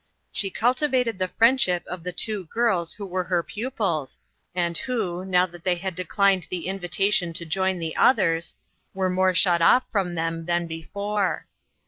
She cultivated the friendship of the two girls who were her pupils, and who, now that they had declined the invitation to join the others, were more shut off from them than before.